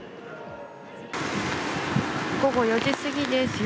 午後４時過ぎです。